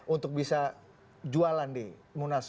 untuk bisa jualan di munas